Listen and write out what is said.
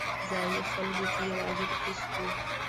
ځایي خلکو کې یو عجیبه حس و.